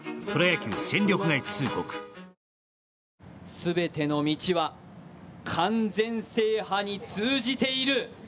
全ての道は完全制覇に通じている。